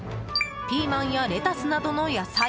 ピーマンやレタスなどの野菜。